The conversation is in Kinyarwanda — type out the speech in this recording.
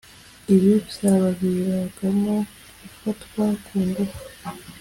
Ibi byabaviragamo gufatwa ku ngufu